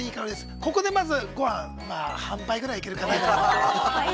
ここで、まず、ごはん半杯ぐらいいけるかな。